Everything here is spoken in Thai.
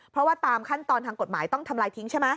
เพราะว่าตามขั้นตอนทางกฎหมายต้องทำลายทิ้งใช่ไหม